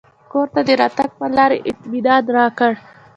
کور ته د راتګ پر لار یې اطمنان راکړ.